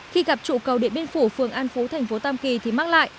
khi gặp trụ cầu điện biên phủ phường an phú thành phố tam kỳ thì mắc lại